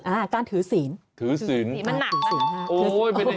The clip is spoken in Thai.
อ่าการถือศีลถือศีลถือศีลมันหนักนะถือศีลมาก